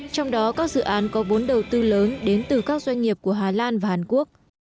trong đó các dự án có vốn đầu tư lớn đến từ các doanh nghiệp của hà lan và hàn quốc